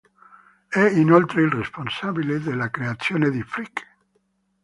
È inoltre il responsabile della creazione di Freak.